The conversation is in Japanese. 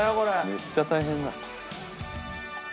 めっちゃ大変だ。